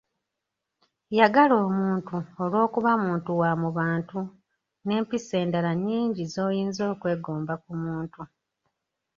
Yagala omuntu olw'okuba muntu wa mu bantu, n'empisa endala nnyingi z'oyinza okwegomba ku muntu.